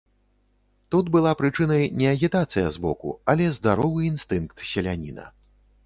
Тут была прычынай не агітацыя збоку, але здаровы інстынкт селяніна.